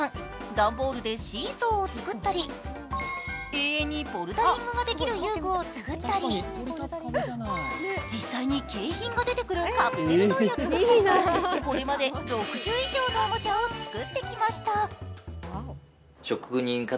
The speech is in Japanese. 段ボールでシーソーを作ったり、永遠にボルダリングができる遊具を作ったり実際に景品が出てくるカプセルトイを作ってみたり、これまで６０以上のおもちゃを作ってきました。